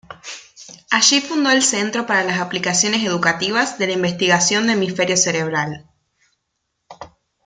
Allí fundó el Centro para las Aplicaciones Educativas de la Investigación de Hemisferio Cerebral.